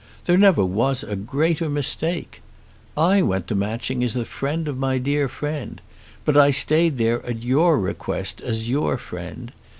There never was a greater mistake. I went to Matching as the friend of my dear friend; but I stayed there at your request, as your friend.